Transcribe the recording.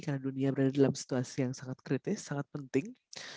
karena dunia berada dalam situasi yang sangat kritis sangat penting